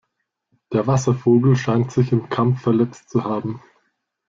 Der Wasservogel scheint sich im Kampf verletzt zu haben.